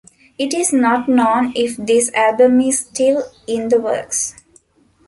It is not known if this album is still in the works.